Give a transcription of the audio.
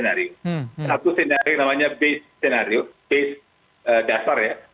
karena who itu membuat tiga senario satu senario namanya base senario base dasar ya